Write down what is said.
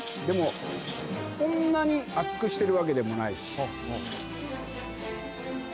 でもそんなに厚くしてるわけでもないし。